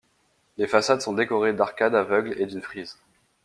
Les façades sont décorées d'arcades aveugles et d'une frise.